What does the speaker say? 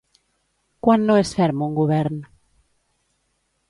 Quan no és ferm un govern?